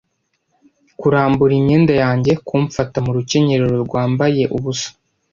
Kurambura imyenda yanjye, kumfata mu rukenyerero rwambaye ubusa,